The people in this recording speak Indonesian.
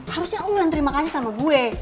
harusnya lo yang terima kasih sama gue